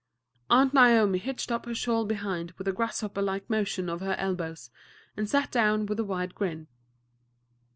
Aunt Naomi hitched up her shawl behind with a grasshopper like motion of her elbows, and sat down with a wide grin.